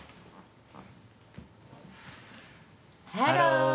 ハロー。